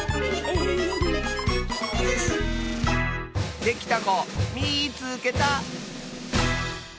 できたこみいつけた！